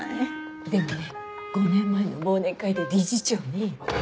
でもね５年前の忘年会で理事長に。